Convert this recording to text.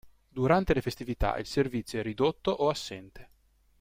Durante le festività il servizio è ridotto o assente.